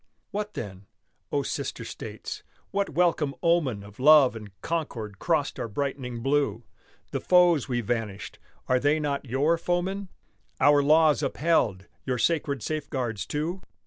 What then? Oh, sister States! what welcome omen Of love and concord crossed our brightening blue, The foes we vanquished, are they not your foemen, Our laws upheld, your sacred safeguards, too?